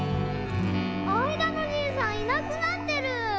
あいだのじいさんいなくなってる。